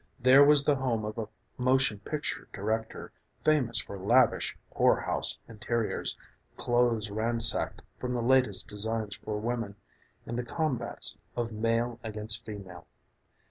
There was the home of a motion picture director Famous for lavish whore house interiors, Clothes ransacked from the latest designs for women In the combats of "male against female."